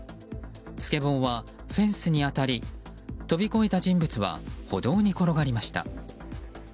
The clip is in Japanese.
スケボーはフェンスに当たり飛び越えた人物は歩道に転がりました。